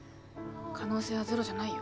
可能性はゼロじゃないよ。